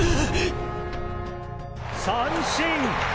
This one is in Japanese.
三振！！